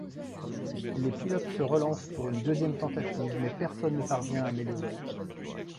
Les pilotes se relancent pour une deuxième tentative, mais personne ne parvient à améliorer.